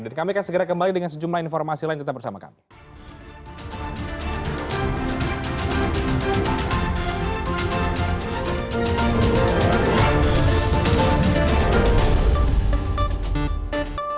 kami akan segera kembali dengan sejumlah informasi lain tetap bersama kami